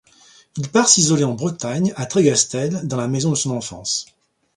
Il part s'isoler en Bretagne, à Trégastel dans la maison de son enfance.